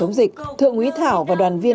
ngừa dịch thượng úy thảo và đoàn viên